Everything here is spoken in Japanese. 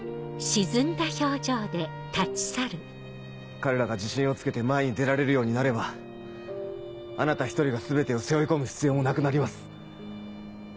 彼らが自信をつけて前に出られるようになればあなた一人が全てを背負い込む必要もなくなります。